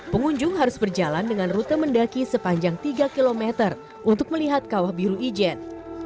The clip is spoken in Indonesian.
pengunjung harus berjalan dengan rute mendaki sepanjang tiga km untuk melihat kawah biru ijen